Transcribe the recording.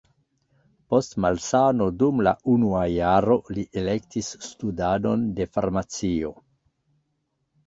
Post malsano dum la unua jaro li elektis studadon de farmacio.